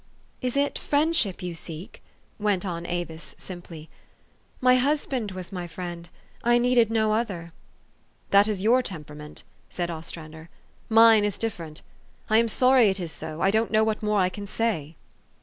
"Is it friendship you seek ?" went on Avis sim 356 THE STORY OF AVIS. ply. " My husband was my friend. I needed no other." "That is your temperament," said Ostrander : "mine is different. I am sorry it is so. I don't know what more I can say."